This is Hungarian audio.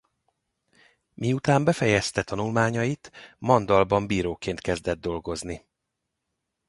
Miután befejezte tanulmányait Mandalban bíróként kezdett dolgozni.